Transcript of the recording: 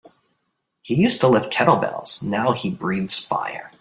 He used to lift kettlebells now he breathes fire.